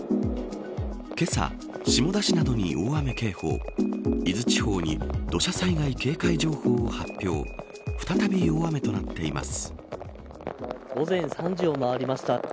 けさ、下田市などに大雨警報伊豆地方に土砂災害警戒情報を発表午前３時を回りました。